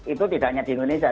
itu tidak hanya di indonesia